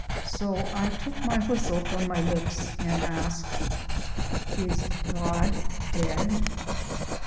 So I took my whistle from my lips and asked: "Is God dead?"